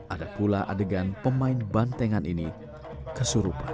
ada pula adegan pemain bantengan ini kesurupan